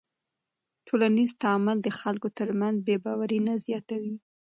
ټولنیز تعامل د خلکو تر منځ بېباوري نه زیاتوي.